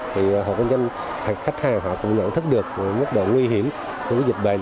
thì họ kinh doanh khách hàng họ cũng nhận thức được mức độ nguy hiểm của dịch bệnh